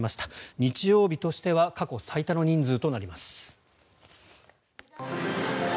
日曜日としては過去最多の人数となります。